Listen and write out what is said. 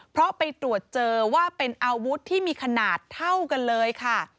เพราะไปตรวจเจอว่าเป็นอาวุธที่มีขนาดเท่ากันเลยค่ะ